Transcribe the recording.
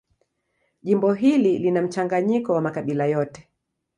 Jimbo hili lina mchanganyiko wa makabila yote.